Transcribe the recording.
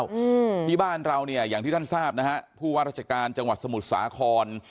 อืมที่บ้านเราเนี่ยอย่างที่ท่านทราบนะฮะผู้ว่าราชการจังหวัดสมุทรสาคร